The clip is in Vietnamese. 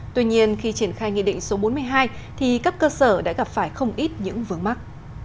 tuy nhiên khi triển khai nghị định số bốn mươi hai thì các cơ sở đã gặp phải không ít những vướng mắt